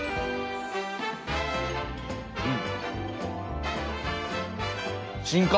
うん。